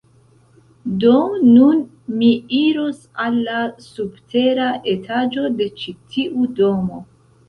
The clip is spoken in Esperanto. Do, nun mi iros al la subtera etaĝo de ĉi tiu domo